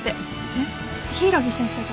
えっ柊木先生が？